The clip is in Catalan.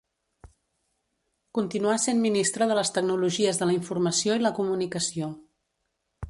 Continuà sent Ministra de les Tecnologies de la Informació i la Comunicació.